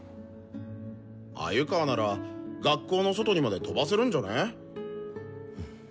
鮎川なら学校の外にまで飛ばせるんじゃね？